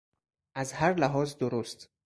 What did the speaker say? از هر لحاظ درست